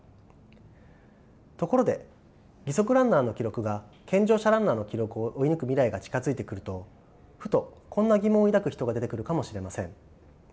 ところで義足ランナーの記録が健常者ランナーの記録を追い抜く未来が近づいてくるとふとこんな疑問を抱く人が出てくるかもしれません。